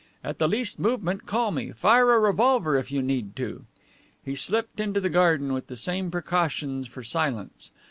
At the least movement call me; fire a revolver if you need to." He slipped into the garden with the same precautions for silence.